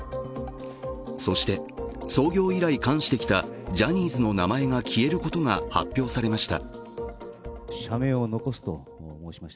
そして創業以来冠してきたジャニーズの名前が消えることが発表されました。